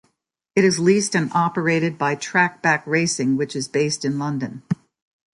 It is leased and operated by Trakbak Racing which is based in London.